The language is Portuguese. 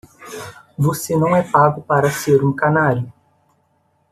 Você não é pago para ser um canário.